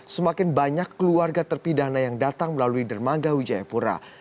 semakin banyak keluarga terpidana yang datang melalui dermaga wijayapura